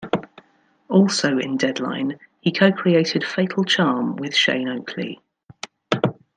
Also in "Deadline", he co-created "Fatal Charm" with Shane Oakley.